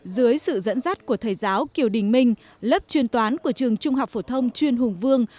dưới sự dẫn dắt của thầy giáo kiều đình minh lớp chuyên toán của trường trung học phổ thông chuyên hùng vương